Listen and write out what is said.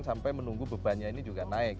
sampai menunggu bebannya ini juga naik